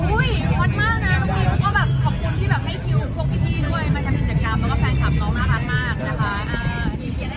ฮอตมากนะน้องมิวก็แบบขอบคุณที่แบบให้คิวพวกพี่ด้วยมาทำกิจกรรมแล้วก็แฟนคลับน้องน่ารักมากนะคะ